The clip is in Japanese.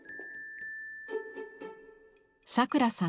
さくらさん